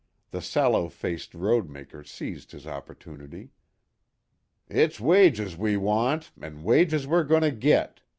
The sallow faced roadmaker seized his opportunity. "It's wages we want an' wages we're goin' to git!"